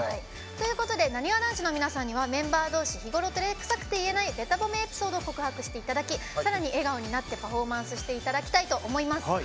なにわ男子の皆さんにはメンバー同士日頃、てれくさくて言えないベタ褒めエピソードを告白していただきさらに笑顔になってパフォーマンスしていただきたいと思います。